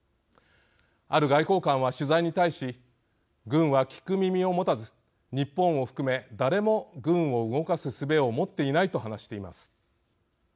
ある外交官は、取材に対し軍は聞く耳をもたず日本を含め誰も軍を動かすすべを持っていないと話しています。